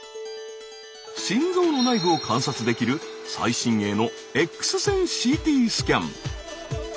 心臓の内部を観察できる最新鋭のＸ線ＣＴスキャン。